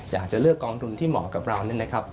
อยากจะเลือกกองทุนที่เหมาะกับเราเนี่ยนะครับ